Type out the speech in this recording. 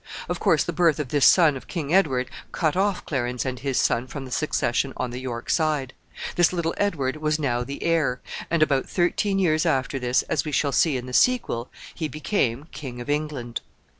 Of course, the birth of this son of King Edward cut off Clarence and his son from the succession on the York side. This little Edward was now the heir, and, about thirteen years after this, as we shall see in the sequel, he became King of England.